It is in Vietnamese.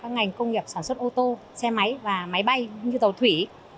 ngành công nghiệp sản xuất ô tô xe máy và máy bay như tàu thủy